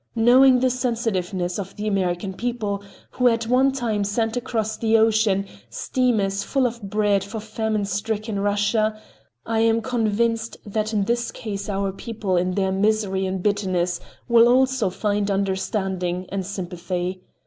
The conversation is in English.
Knowing the sensitiveness of the American people, who at one time sent across the ocean, steamers full of bread for famine stricken Russia, I am convinced that in this case our people in their misery and bitterness will also find understanding and sympathy.